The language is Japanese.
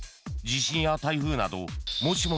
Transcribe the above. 地震や台風など］